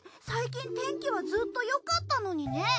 最近天気はずっとよかったのにね。